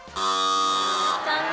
残念。